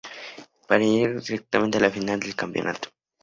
Para llegar directamente a la final del campeonato.